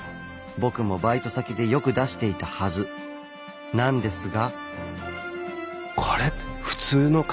僕もバイト先でよく出していたはずなんですが。